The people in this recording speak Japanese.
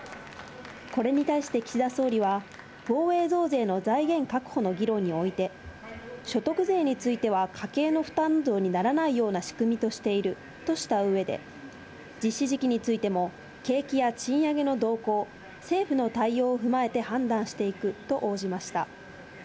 これに対して、岸田総理は、防衛増税の財源確保の議論において、所得税については家計の負担増にならないような仕組みとしているとしたうえで、実施時期についても、景気や賃金の動向、政府の対応を踏まえて判断していくと応じました。